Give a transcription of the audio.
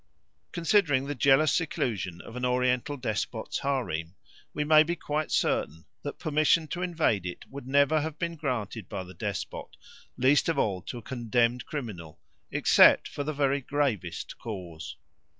Considering the jealous seclusion of an oriental despot's harem we may be quite certain that permission to invade it would never have been granted by the despot, least of all to a condemned criminal, except for the very gravest cause.